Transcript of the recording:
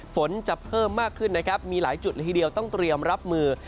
ฝนจะเพิ่มมากขึ้นนะครับมีหลายจุดละทีเดียวต้องเตรียมรับมือ